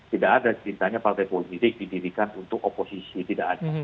tidak ada ceritanya partai politik didirikan untuk oposisi tidak ada